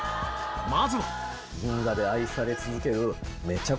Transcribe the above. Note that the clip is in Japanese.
まずは！